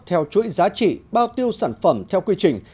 theo chuỗi giá trị bao tiêu sản phẩm theo quy trình